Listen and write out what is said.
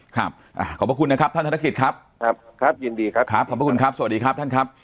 ขอบพระคุณนะครับท่านธนกิจครับครับยินดีครับครับขอบพระคุณครับสวัสดีครับท่านครับ